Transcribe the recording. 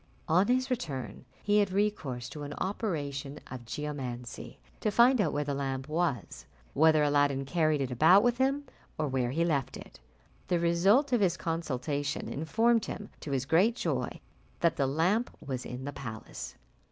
On his return he had recourse to an operation of geomancy to find out where the lamp was whether Aladdin carried it about with him, or where he left it. The result of his consultation informed him, to his great joy, that the lamp was in the palace.